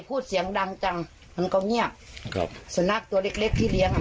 พูดเสียงดังจังมันก็เงียบครับสุนัขตัวเล็กเล็กที่เลี้ยงอ่ะ